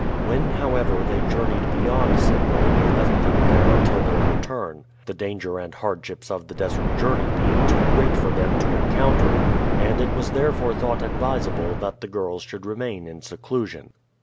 When, however, they journeyed beyond Semneh they left them there until their return, the danger and hardships of the desert journey being too great for them to encounter, and it was therefore thought advisable that the girls should remain in seclusion.